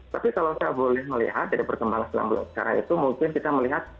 tapi kalau saya boleh melihat dari perkembangan selandia sekarang itu mungkin kita melihat